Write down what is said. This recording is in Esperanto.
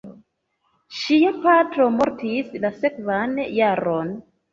Ŝia patro mortis la sekvan jaron.